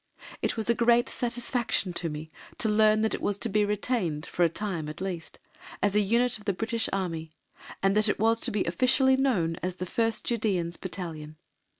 It was a great satisfaction to me to learn that it was to be retained, for a time at least, as a unit of the British Army, and that it was to be officially known as the First Judæans Battalion.